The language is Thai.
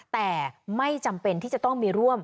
แต่ไม่จำเป็นที่จะต้องมีร่วม